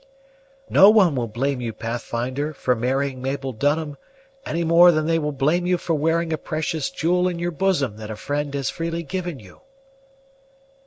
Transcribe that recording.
"No one will blame you, Pathfinder, for marrying Mabel Dunham, any more than they will blame you for wearing a precious jewel in your bosom that a friend had freely given you."